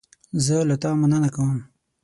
زه له تا مننه کوم.